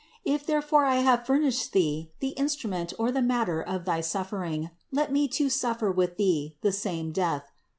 If therefore I have fur nished Thee the instrument or the matter of thy suffer ings, let me too suffer with Thee the same death.